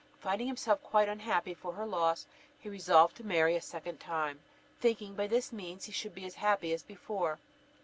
Finding himself quite unhappy for her loss, he resolved to marry a second time, thinking by this means he should be as happy as before.